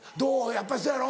やっぱりそやろ？